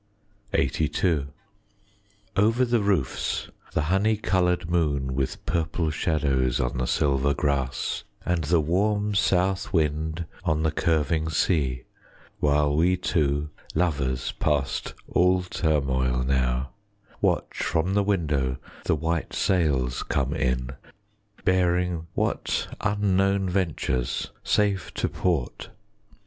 LXXXII Over the roofs the honey coloured moon, With purple shadows on the silver grass, And the warm south wind on the curving sea, While we two, lovers past all turmoil now, Watch from the window the white sails come in, 5 Bearing what unknown ventures safe to port!